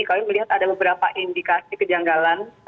kami melihat ada beberapa indikasi kejanggalan